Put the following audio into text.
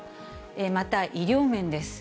また、医療面です。